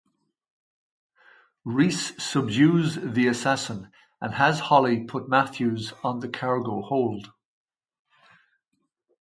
Reese subdues the assassin and has Holly put Matthews on the cargo hold.